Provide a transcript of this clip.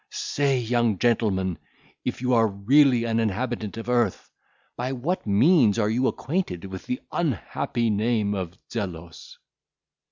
Say, young gentleman, if you are really an inhabitant of earth, by what means are you acquainted with the unhappy name of Zelos?"